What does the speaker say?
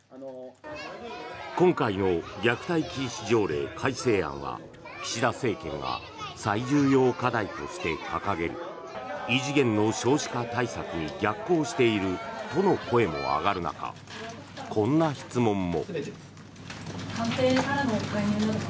今回の虐待禁止条例改正案は岸田政権が最重要課題として掲げる異次元の少子化対策に逆行しているとの声も上がる中こんな質問も。